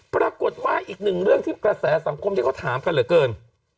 ปรากฏว่าอีกหนึ่งเรื่องที่กระแสสังคมที่เขาถามกันเหลือเกิน